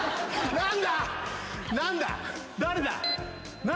何だ？